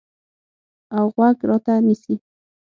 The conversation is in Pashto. اوغوږ راته نیسي